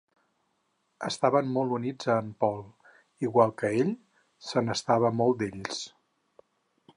Estaven molt units a en Paul, igual que ell se n'estava molt d'ells.